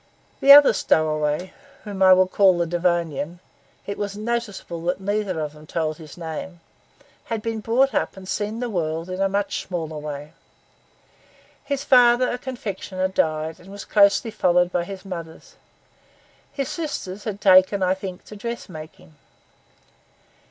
The other stowaway, whom I will call the Devonian—it was noticeable that neither of them told his name—had both been brought up and seen the world in a much smaller way. His father, a confectioner, died and was closely followed by his mother. His sisters had taken, I think, to dressmaking.